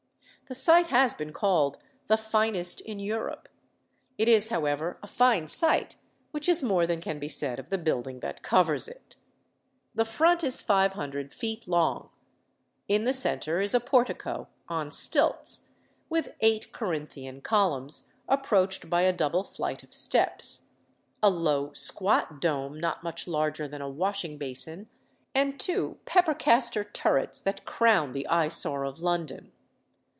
The site has been called "the finest in Europe:" it is, however, a fine site, which is more than can be said of the building that covers it. The front is 500 feet long. In the centre is a portico, on stilts, with eight Corinthian columns approached by a double flight of steps; a low squat dome not much larger than a washing basin; and two pepper castor turrets that crown the eyesore of London.